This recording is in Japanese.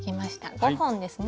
５本ですね。